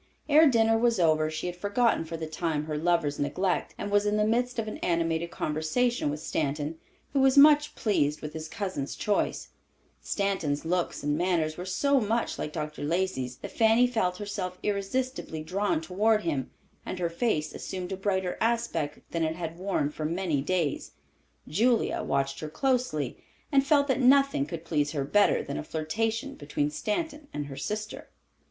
Ere dinner was over she had forgotten for the time her lover's neglect, and was in the midst of an animated conversation with Stanton, who was much pleased with his cousin's choice. Stanton's looks and manners were so much like Dr. Lacey's that Fanny felt herself irresistibly drawn toward him and her face assumed a brighter aspect than it had worn for many days. Julia watched her closely and felt that nothing could please her better than a flirtation between Stanton and her sister.